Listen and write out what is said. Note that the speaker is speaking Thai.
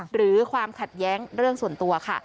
หรือความขัดแย้งเรื่องส่วนตัวค่ะ